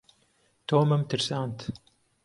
تۆمم ترساند.